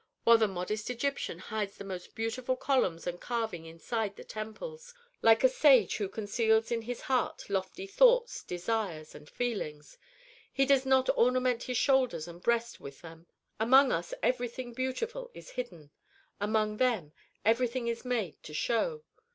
While the modest Egyptian hides the most beautiful columns and carving inside the temples like a sage who conceals in his heart lofty thoughts, desires, and feelings he does not ornament his shoulders and breast with them. Among us everything beautiful is hidden; among them, everything is made to show.